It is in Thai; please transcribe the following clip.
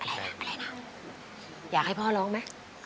อะไรนะอยากให้พ่อร้องไหม